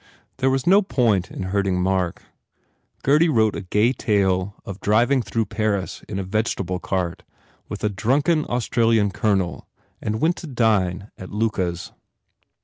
There was no point in hurting Mark. Gurdy wrote a gay tale of driving through Paris in a vegetable cart with a drunken Australian colonel and went to dine at Luca s.